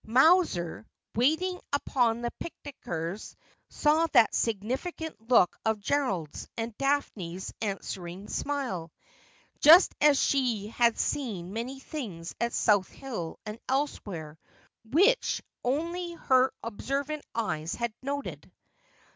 Mowser, waiting upon the picnickers, saw that significant look of Gerald's, and Daphne's answering smile ; just as she had seen many things at South Hill and elsewhere which only her observant eyes had noted.